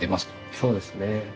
そうですね。